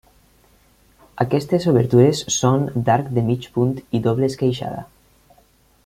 Aquestes obertures són d'arc de mig punt i doble esqueixada.